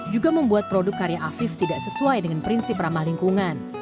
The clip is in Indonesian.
juga membuat produk karya afif tidak sesuai dengan prinsip ramah lingkungan